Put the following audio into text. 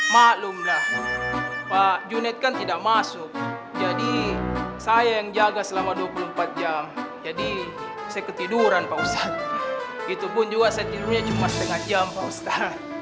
maklum dah pak junet kan tidak masuk jadi saya yang jaga selama dua puluh empat jam jadi saya ketiduran pak ustadz itu pun juga saya tidurnya cuma setengah jam pak ustadz